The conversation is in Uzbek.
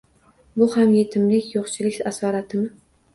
Bu ham yetimlik, yo’qchilik asoratimi?